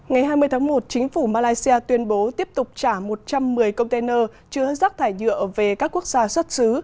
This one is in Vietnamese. ngày hai mươi tháng một chính phủ malaysia tuyên bố tiếp tục trả một trăm một mươi container chứa rác thải nhựa về các quốc gia xuất xứ